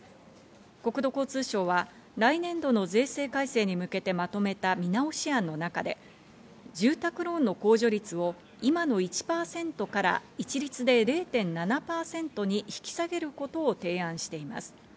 国土交通省は来年度の税制改正に向けてまとめた見直し案の中で、住宅ローンの控除率を今の１％から一律で０．７％に引き下げることを提案しています。